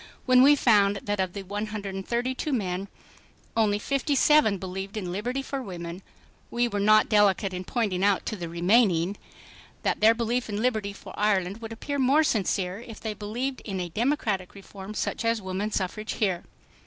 When we found that of the 132 men only 5'7 believed in liberty for American women, we were not delicate in pointing out to the remaining "(5 that their belief in liberty for Ireland would appear more sincere if they believed in a democratic reform such as woman suffrage here.